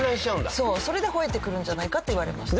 そうそれでほえてくるんじゃないかって言われました。